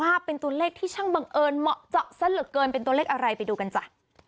แล้วลงเลข๙บอกนะฮะ